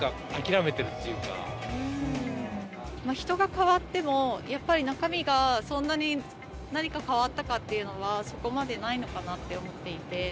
人が代わってもやっぱり中身がそんなに何か変わったかっていうのはそこまでないのかなって思っていて。